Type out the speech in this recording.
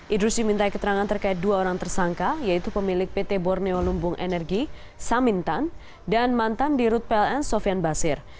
idrus dimintai keterangan terkait dua orang tersangka yaitu pemilik pt borneo lumbung energi samintan dan mantan dirut pln sofian basir